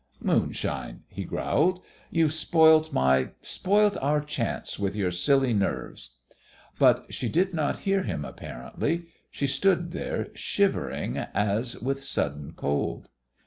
"Moonshine!" he growled. "You've spoilt my spoilt our chance with your silly nerves." But she did not hear him apparently. She stood there shivering as with sudden cold.